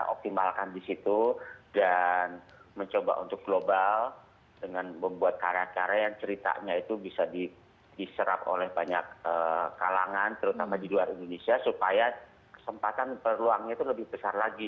optimalkan di situ dan mencoba untuk global dengan membuat karya karya yang ceritanya itu bisa diserap oleh banyak kalangan terutama di luar indonesia supaya kesempatan peluangnya itu lebih besar lagi